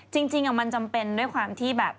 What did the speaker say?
จริงมันจำเป็นด้วยความที่แบบ